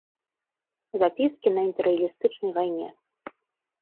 Запіскі на імперыялістычнай вайне.